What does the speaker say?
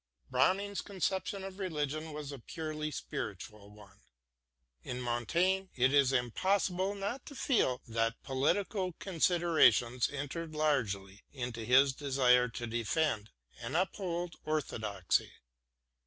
Browning's conception of religion was a purely spiritual one ; in Montaigne it is impossible not to feel that political considerations entered largely into his desire to defend and uphold orthodoxy.